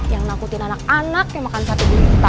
yang nakutin anak anak yang makan satu juta